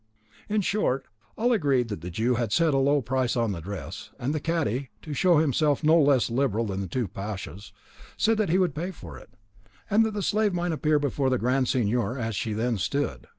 In short, all agreed that the Jew had set a low price on the dress, and the cadi, to show himself no less liberal than the two pashas, said that he would pay for it, that the slave might appear before the Grand Signor as she then stood.